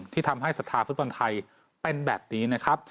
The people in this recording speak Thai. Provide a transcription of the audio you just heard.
ที่ทำให้สถาฟุตปันไทยเป็นแบบนี้นะครับ